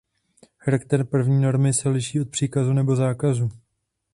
Charakter právní normy se liší od příkazu nebo zákazu.